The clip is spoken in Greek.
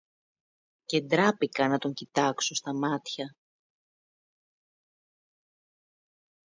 Και ντράπηκα να τον κοιτάξω στα μάτια